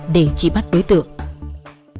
để trị bắt đối tượng